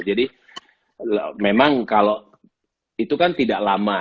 jadi memang kalau itu kan tidak lama